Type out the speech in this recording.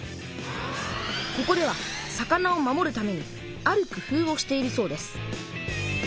ここでは魚を守るためにあるくふうをしているそうです。